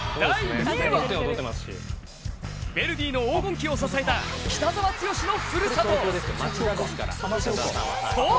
ヴェルディの黄金期を支えた北澤豪のふるさと。